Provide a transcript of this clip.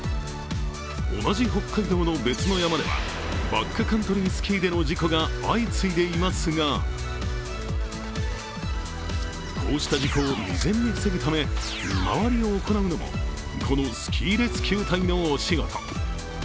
同じ北海道の別の山ではバックカントリースキーでの事故が相次いでいますが、こうした事故を未然に防ぐため見回りを行うのもこのスキーレスキュー隊のお仕事。